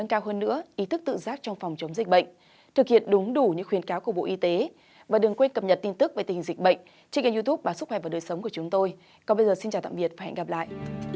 còn bây giờ xin chào tạm biệt và hẹn gặp lại